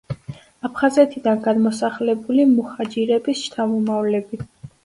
აფხაზეთიდან გადმოსახლებული მუჰაჯირების შთამომავლები.